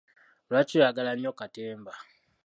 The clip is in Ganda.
Lwaki oyagala nnyo katemba.